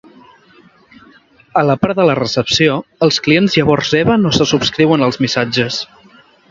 A la part de la recepció, els clients llavors reben o se subscriuen als missatges.